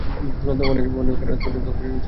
অনেক রাত পর্যন্ত জেগে থাকতে হয়।